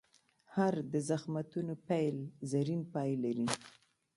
هر د زخمتونو پیل، زرین پای لري.